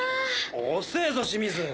おせぞ清水。